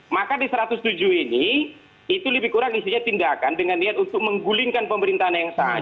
maka di satu ratus tujuh ini itu lebih kurang isinya tindakan dengan niat untuk menggulingkan pemerintahan yang sama